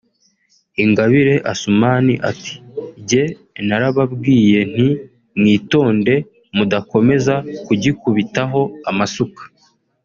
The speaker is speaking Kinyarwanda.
Ingabire Assouman ati “jye narababwiye nti mwitonde mudakomeza kugikubitaho amasuka